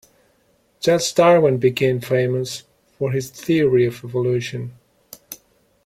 Charles Darwin became famous for his theory of evolution.